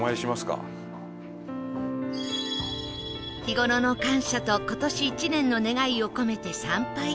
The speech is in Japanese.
日頃の感謝と今年１年の願いを込めて参拝